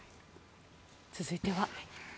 続いては。